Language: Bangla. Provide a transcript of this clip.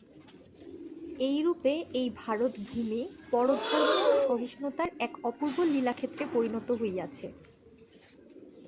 এইরূপে এই ভারতভূমি পরধর্ম-সহিষ্ণুতার এক অপূর্ব লীলাক্ষেত্রে পরিণত হইয়াছে।